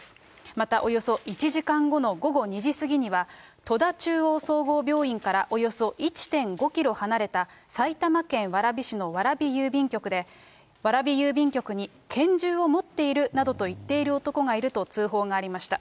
またおよそ１時間後の午後２時過ぎには、戸田中央総合病院からおよそ１．５キロ離れた埼玉県蕨市の蕨郵便局で、蕨郵便局に拳銃を持っているなどと言っている男がいると通報がありました。